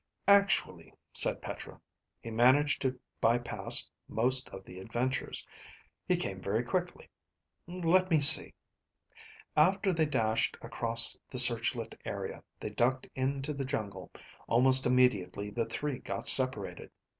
"Actually," said Petra, "he managed to bypass most of the adventures. He came very quickly. Let me see. After they dashed across the searchlit area, they ducked into the jungle. Almost immediately the three got separated.